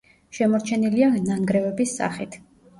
შემორჩენილია ნანგრევების სახით.